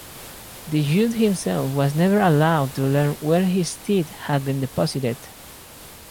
The youth himself was never allowed to learn where his teeth had been deposited.